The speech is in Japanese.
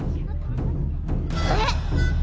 えっ？